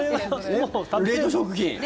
冷凍食品。